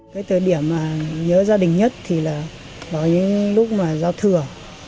cái thời điểm mà nhớ gia đình nhất thì là vào những lúc mà giao thừa